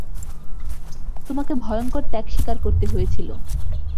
তোমাকে ভয়ংকর ত্যাগ স্বীকার করতে হয়েছিল।